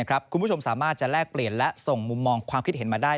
คุณผู้ชมสามารถจะแลกเปลี่ยนและส่งมุมมองความคิดเห็นมาได้